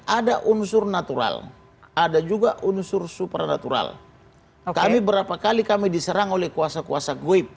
ada unsur natural ada juga unsur supranatural kami berapa kali kami diserang oleh kuasa kuasa goib